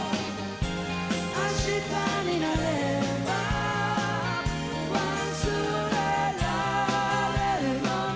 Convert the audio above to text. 「明日になれば忘れられるのに」